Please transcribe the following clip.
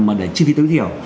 mà để chi phí tương thiểu